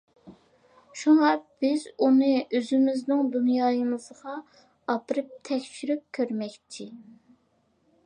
شۇڭا، بىز ئۇنى ئۆزىمىزنىڭ دۇنيايىمىزغا ئاپىرىپ تەكشۈرۈپ كۆرمەكچى.